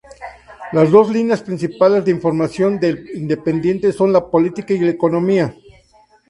Las dos líneas principales de información de El Independiente son la Política y Economía.